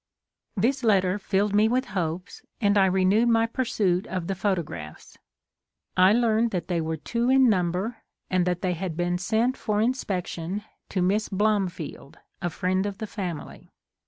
This letter filled me with hopes, and I re newed my pursuit of the photographs. I learned that they were two in number and that they had been sent for inspection to Miss Blomfield, a friend of the family.